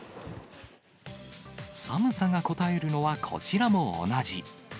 寒さがこたえるのはこちらも同じ。